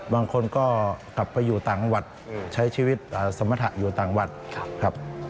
บางคนก็กลับไปอยู่ต่างวัดใช้ชีวิตสมรรถะอยู่ต่างวัดครับ